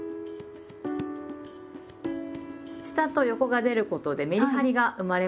下と横が出ることでメリハリが生まれますよね。